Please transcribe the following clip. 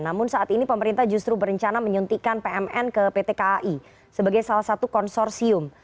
namun saat ini pemerintah justru berencana menyuntikkan pmn ke pt kai sebagai salah satu konsorsium